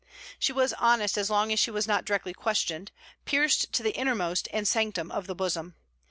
She was honest as long as she was not directly questioned, pierced to the innermost and sanctum of the bosom.